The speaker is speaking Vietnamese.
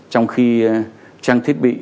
trong khi trang thiết bị